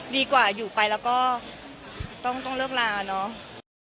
ดีกว่าอยู่ไปแล้วก็ต้องเลิกลาเนาะ